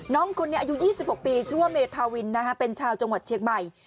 น้องคนนี้อายุ๒๖ปีชื่อว่าเมธาวินเป็นชาวจังหวัดเชียงใหม่